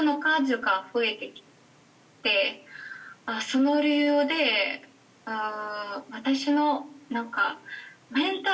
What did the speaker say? その理由で私のなんか。